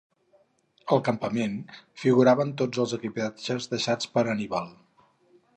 Al campament figuraven tots els equipatges deixats per Anníbal.